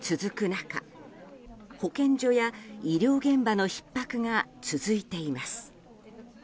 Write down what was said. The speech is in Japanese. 中保健所や医療現場のひっ迫が続いています。